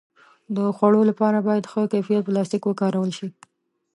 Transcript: د خوړو لپاره باید ښه کیفیت پلاستيک وکارول شي.